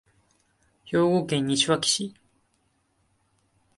兵庫県西脇市